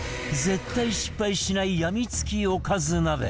絶対失敗しないやみつきおかず鍋